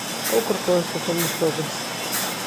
Ou Corcoesto somos todos?